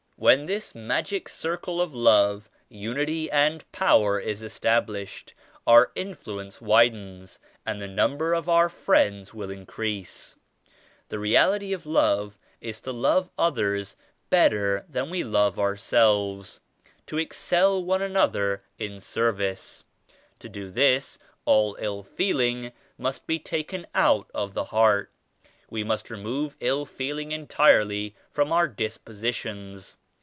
When this magic circle of love, unity and power is established, our influ ence widens and the number of our friends will increase. The reality of Love is to love others better than we love ourselves; to excel one an other in service. To do this, all ill feeling must be taken out of the heart. We must remove ill feeling entirely from our dispositions.